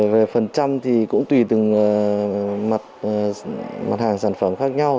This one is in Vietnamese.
về phần trăm thì cũng tùy từng mặt hàng sản phẩm khác nhau